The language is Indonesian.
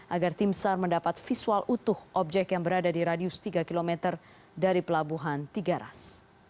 agar tim sar mendapat visual utuh objek yang berada di radius tiga km dari pelabuhan tiga ras